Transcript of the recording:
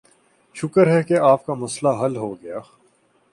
شکر ہے کہ آپ کا مسئلہ حل ہوگیا